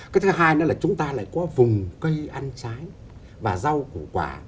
cái thứ hai nữa là chúng ta lại có vùng cây ăn trái và rau củ quả